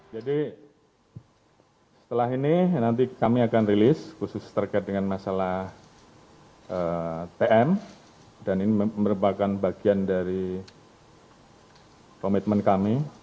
jadi setelah ini nanti kami akan rilis khusus terkait dengan masalah tm dan ini merupakan bagian dari komitmen kami